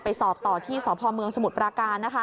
ไปสอบต่อที่สพเมืองสมุดปราการ